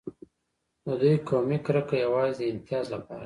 د دوی قومي کرکه یوازې د امتیاز لپاره ده.